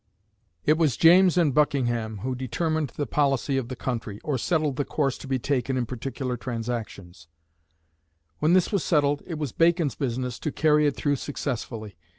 It was James and Buckingham who determined the policy of the country, or settled the course to be taken in particular transactions; when this was settled, it was Bacon's business to carry it through successfully.